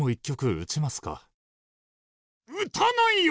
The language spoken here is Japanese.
打たないよ！